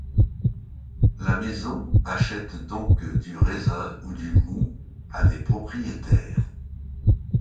La maison achète donc du raisin ou du moût à des propriétaires.